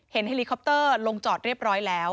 เฮลิคอปเตอร์ลงจอดเรียบร้อยแล้ว